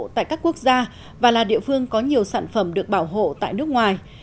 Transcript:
tại các quốc gia và là địa phương có nhiều sản phẩm được bảo hộ tại nước ngoài